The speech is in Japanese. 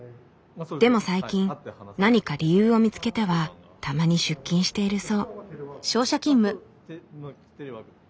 でも最近何か理由を見つけてはたまに出勤しているそう。